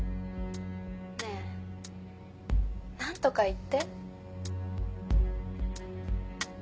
ねえ何とか言って。